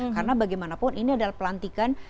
karena bagaimanapun ini adalah pelantikan